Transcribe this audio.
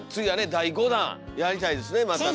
第５弾やりたいですねまたね。